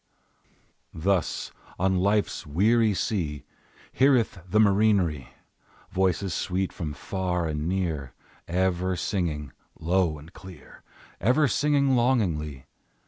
Thus, on Life's weary sea, Heareth the marinere Voices sweet, from far and near, Ever singing low and clear, Ever singing longingly.